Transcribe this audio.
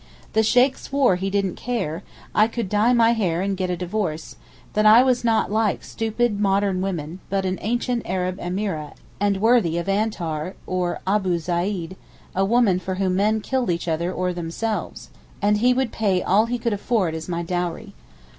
The Sheykh swore he didn't care; I could dye my hair and get a divorce; that I was not like stupid modern women, but like an ancient Arab Emeereh, and worthy of Antar or Abou Zeyd—a woman for whom men killed each other or themselves—and he would pay all he could afford as my dowry.